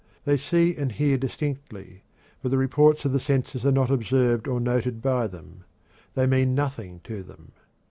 They see and hear distinctly, but the reports of the senses are not observed or noted by them; they mean nothing to them.